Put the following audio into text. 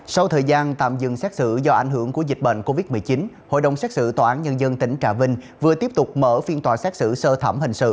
sau thời gian tạm dừng xét xử do ảnh hưởng của dịch bệnh covid một mươi chín hội đồng xét xử tòa án nhân dân tỉnh trà vinh vừa tiếp tục mở phiên tòa xét xử sơ thẩm hình sự